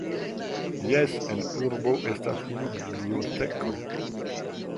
Jes, en urbo estas unu biblioteko.